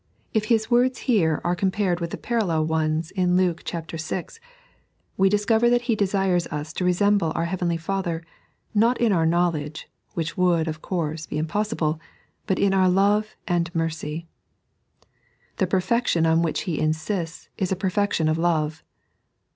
If His words here are compared with the pamllel ones in Luke vi., we discover that He desires us to resemble our Heavenly Father, not in our knowledge — which would, of course, be impossible — but in our love and mercy. The perfection on which He insists is a perfection of love.